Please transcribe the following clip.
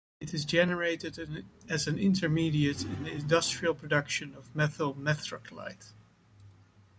It is generated as an intermediate in the industrial production of methyl methacrylate.